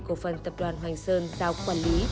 cổ phân tập đoàn hoành sơn giao quản lý